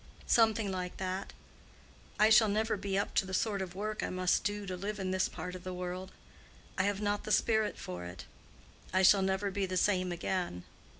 "Something like that. I shall never be up to the sort of work I must do to live in this part of the world. I have not the spirit for it. I shall never be the same again.